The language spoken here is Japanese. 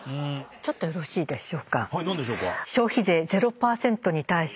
ちょっとよろしいでしょうか。